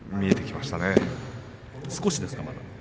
まだ、少しですか。